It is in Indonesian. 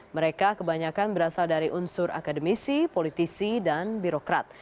mereka kebanyakan berasal dari unsur akademisi politisi dan birokrat